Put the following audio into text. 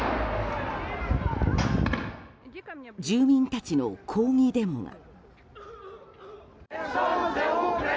住民たちの抗議デモが。